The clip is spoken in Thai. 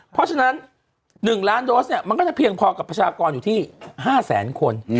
เพราะฉะนั้น๑ล้านโดสเนี่ยมันก็จะเพียงพอกับประชากรอยู่ที่๕แสนคน